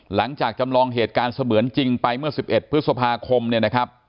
จำลองเหตุการณ์เสมือนจริงไปเมื่อ๑๑พฤษภาคมเนี่ยนะครับ